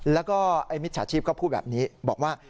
แล้วก็ไอ้มิจฉาชีพก็พูดแบบนี้บอกว่า